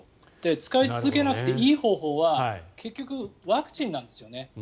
使い続けなくていい方法は結局、ワクチンなんですよね。